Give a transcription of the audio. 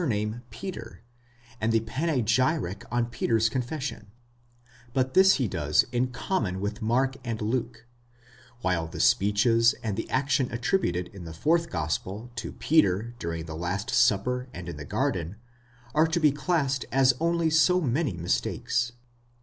329 panegyric on Peter's confession ; but this he does in common with Mark and Luke, while the speeches and the action attributed in the fourth gospel to Peter during the last supper and in the garden, are to be classed as only so many mistakes.